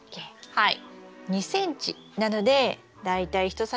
はい。